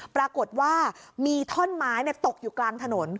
ปรากฏว่ามีท่อนไม้ตกอยู่กลางถนน